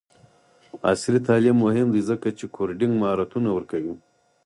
عصري تعلیم مهم دی ځکه چې کوډینګ مهارتونه ورکوي.